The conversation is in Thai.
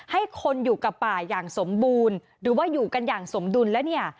ให้คนอยู่กับป่าอย่างสมบูรณ์หรือว่าอยู่กันอย่างสมดุลแล้วเนี่ย